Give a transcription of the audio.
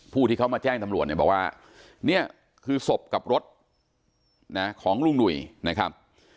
ผู้ที่เขามาแจ้งตำรวจเนี่ยบอกว่าเนี่ยคือศพกับรถนะของลุงหนุ่ยนะครับ